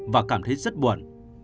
và cảm thấy rất buồn